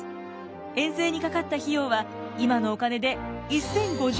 遠征にかかった費用は今のお金で１，０５０万円ほど。